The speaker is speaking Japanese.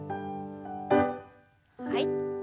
はい。